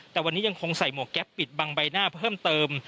แต่วันนี้ยังคงใส่หมวกแก๊ปปิดบังใบหน้าเพิ่มเติม